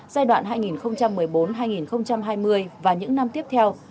giai đoạn hai nghìn một mươi bốn hai nghìn hai mươi và những năm tiếp theo